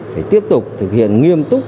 phải tiếp tục thực hiện nghiêm túc